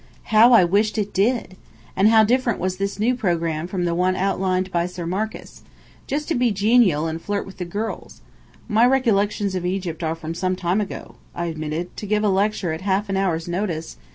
How I wished it did! And how different was this new programme from the one outlined by Sir Marcus. Just to be genial, and flirt with the girls. "My recollections of Egypt are from some time ago," I admitted. "To give a lecture at half an hour's notice.